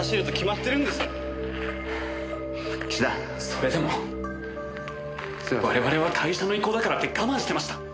それでも我々は会社の意向だからって我慢してました。